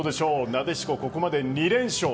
なでしこ、ここまで２連勝。